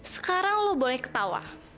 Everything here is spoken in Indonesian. sekarang lo boleh ketawa